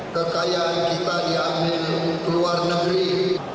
kekayaan kita diambil ke luar negeri